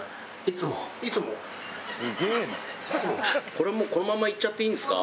これもうこのままいっちゃっていいんですか？